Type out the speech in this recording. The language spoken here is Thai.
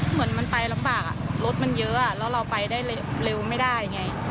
เหมือนมันไปลำบากรถมันเยอะแล้วเราไปได้เร็วไม่ได้ไง